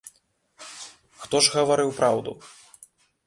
Хто ж гаварыў праўду?